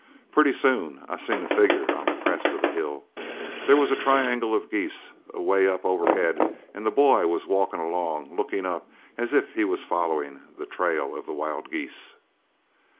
Pretty soon I seen a figure on the crest of the hill. There was a triangle of geese away up overhead an' the boy was walkin' along lookin' up as if he was followin' the trail of the wild geese.